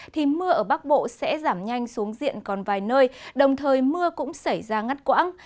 thì mưa ở bắc bộ sẽ giảm nhanh xuống diện còn vài nơi đồng thời mưa cũng xảy ra ngắt quãng